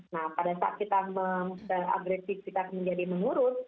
nah pada saat kita agresif kita menjadi mengurut